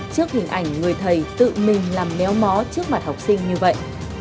trước hình ảnh người thầy tự mình làm méo mó trước mặt học sinh như vậy